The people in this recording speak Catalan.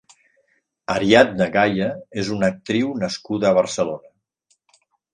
Ariadna Gaya és una actriu nascuda a Barcelona.